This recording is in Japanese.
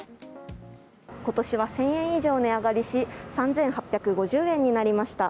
今年は１０００円以上値上がりし３８５０円になりました。